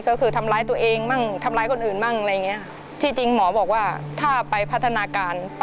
ก็คือทำร้ายตัวเองบ้าง